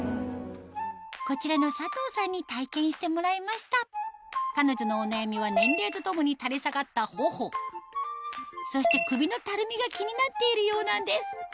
こちらの佐藤さんに体験してもらいました彼女のお悩みは年齢とともに垂れ下がった頬そして首のたるみが気になっているようなんです